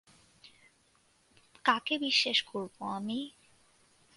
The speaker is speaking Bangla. কাকে বিশ্বাস করব আমি?